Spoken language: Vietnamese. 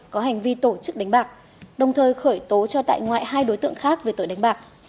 có hành vi tổ chức đánh bạc đồng thời khởi tố cho tại ngoại hai đối tượng khác về tội đánh bạc